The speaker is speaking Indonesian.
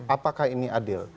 apakah ini adil